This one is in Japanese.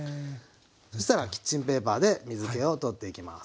そしたらキッチンペーパーで水けを取っていきます。